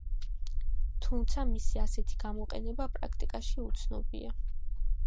თუმცა მისი ასეთი გამოყენება პრაქტიკაში უცნობია.